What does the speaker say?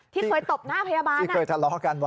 ที่เคยตบหน้าพยาบาลที่เคยทะเลาะกันว่